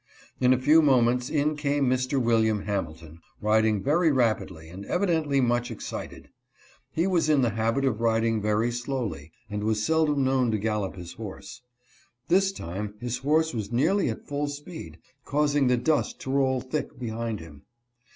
In a few moments in came Mr. William Hamilton, riding very rapidly and evidently much excited. He was in the habit of riding very slowly, and was seldom known to gallop his horse. This time his horse was nearly at full speed, causing the dust to roll thick behind him.